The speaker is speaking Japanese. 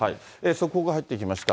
速報が入ってきました。